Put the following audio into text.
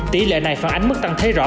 tỷ lệ này phản ánh mức tăng thế rõ